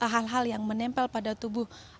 hal hal yang menempel pada tubuh